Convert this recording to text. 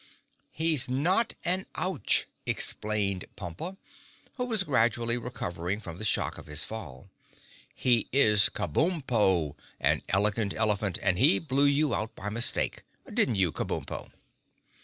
"He's not an Ouch," explained Pompa, who was gradually recovering from the shock of his fall. "He is Kabumpo, an Elegant Elephant, and he blew you out by mistake. Didn't you, Kabumpo?"